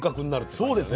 そうですね。